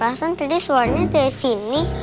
rasanya tadi suaranya dari sini